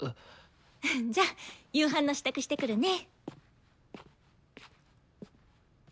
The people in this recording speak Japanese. じゃ夕飯の支度してくるね。